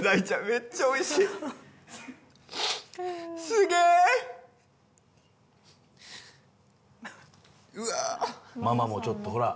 めっちゃおいしいすげえうわあママもちょっとほら